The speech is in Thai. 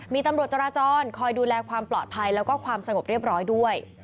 มีตำรวจจราจรคอยดูแลความปลอดภัยแล้วก็ความสงบเรียบร้อยด้วย